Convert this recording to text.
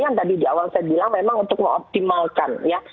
yang tadi di awal saya bilang memang untuk mengoptimalkan ya